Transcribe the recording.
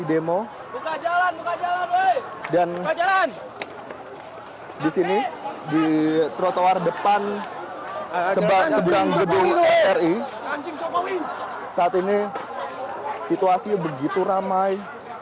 di sini di trotoar depan seberang gedung dpr ri saat ini situasi begitu ramai